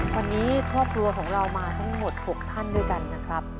วันนี้ครอบครัวของเรามาทั้งหมด๖ท่านด้วยกันนะครับ